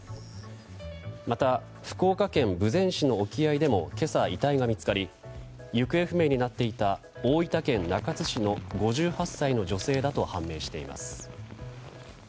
また、福岡県豊前市の沖合でも今朝、遺体が見つかり行方不明になっていた大分県中津市の５８歳の女性だと判明しています。